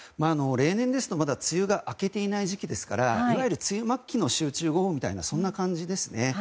例年ですと梅雨が明けていない時期ですからいわゆる梅雨末期の集中豪雨のような感じですね。